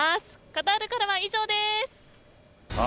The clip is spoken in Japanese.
カタールからは以上です。